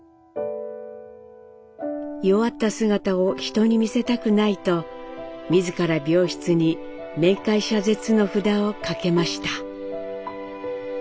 弱った姿を人に見せたくないと自ら病室に「面会謝絶」の札を掛けました。